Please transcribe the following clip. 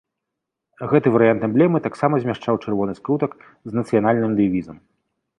Гэта варыянт эмблемы таксама змяшчаў чырвоны скрутак з нацыянальным дэвізам.